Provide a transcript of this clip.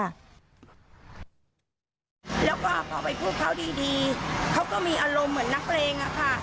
แล้วก็พอไปพูดเขาดีเขาก็มีอารมณ์เหมือนนักเลงอะค่ะ